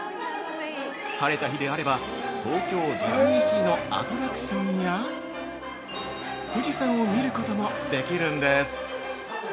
晴れた日であれば東京ディズニーシーのアトラクションや富士山を見ることもできるんです。